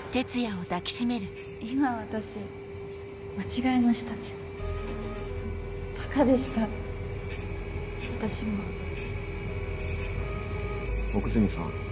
今私間違えましたバカでした私も奥泉さん。